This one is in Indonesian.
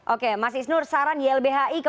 oke mas isnur saran ylbhi